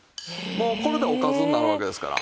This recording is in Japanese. もうこれでおかずになるわけですから。